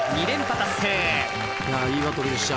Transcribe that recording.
いいバトルでした。